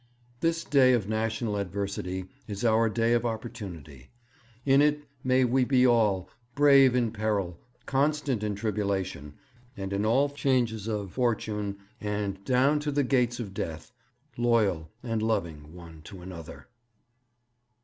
This day of national adversity is our day of opportunity. In it may we be all "brave in peril, constant in tribulation, and in all changes of fortune, and down to the gates of death, loyal and loving one to another."'